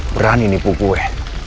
berani nih pukulnya